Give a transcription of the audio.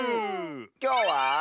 きょうは。